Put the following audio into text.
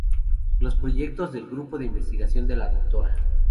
Los proyectos del grupo de investigación de la Dra.